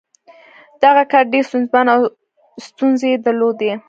دغه کار ډېر ستونزمن و او ستونزې یې درلودې